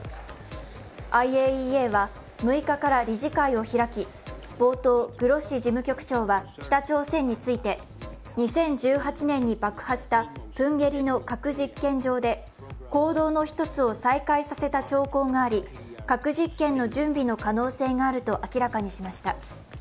ＩＡＥＡは６日から理事会を開き冒頭、グロッシ事務局長は北朝鮮について２０１８年に爆発したプンゲリの核実験場で坑道の１つを再開させた兆候があり核実験の準備の可能性があると明らかにしました。